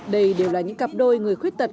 đây đều là những cặp đôi người khuyết tật